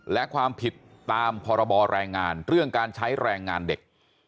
และความผิดตามพรบแรงงานเรื่องการใช้แรงงานเด็ก